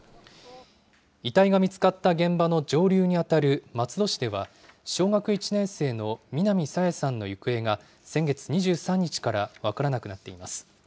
遺体が見つかった現場の上流に当たる松戸市では、小学１年生の南朝芽さんの行方が先月２３日から分からなくなっています。